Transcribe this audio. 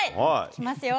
きますよ。